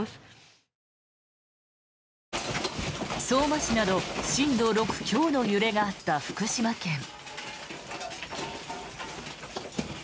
相馬市など震度６強の揺れがあった福島県。